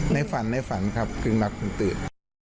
ในฝันครับคือรักคึงตื่น